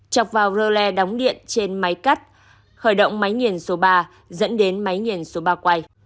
chọc vào rơ le đóng điện trên máy cắt khởi động máy nghiền số ba dẫn đến máy nghiền số ba quay